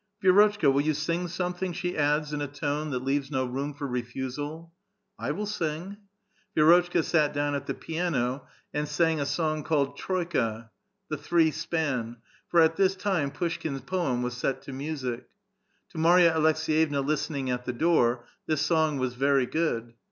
" Vi^rotclika, will you sing something?" she adds in a tone that leaves no room for refusal. '' I will sing." Vi^rotc'hka sat down at the piano, and sang a song called "Troika" (The Three Span), for at this time Pushkin's poem was set to music. To Marya Aleks^yevna listening at the door, this song was very good.